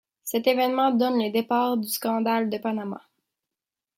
Cet événement donne le départ du scandale de Panama.